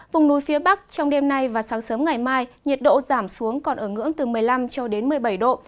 vùng núi phía bắc trong đêm nay và sáng sớm ngày mai nhiệt độ giảm xuống còn ở ngưỡng từ một mươi năm cho đến một mươi bảy độ